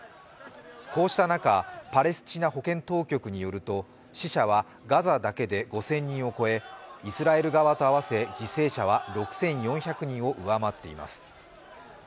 こうした中、パレスチナ保健当局によると死者はガザだけで５０００人を超えイスラエル側と合わせて犠牲者は６４００人を上回っています。